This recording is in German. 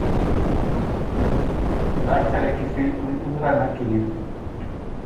Vielleicht hat er gefehlt und in Unreinheit gelebt.